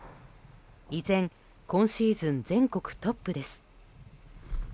依然今シーズン全国トップです。